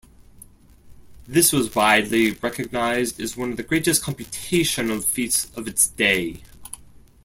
This was widely recognized as one of the greatest computational feats of its day.